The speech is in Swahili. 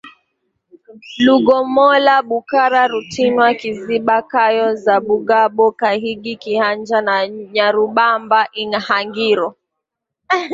Lugomola Bukara Rutinwa Kiziba Kayo za Bugabo Kahigi Kihanja na Nyarubamba Ihangiro